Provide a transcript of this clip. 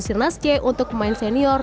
sirnas c untuk pemain senior